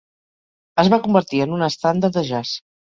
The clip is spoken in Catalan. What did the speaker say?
Es va convertir en un estàndard de jazz.